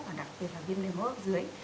và đặc biệt là viêm đường hoa hấp dưới